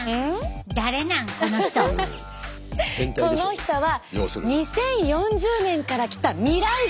この人は２０４０年から来た未来人。